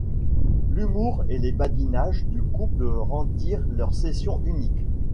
L'humour et les badinages du couple rendirent leurs sessions uniques.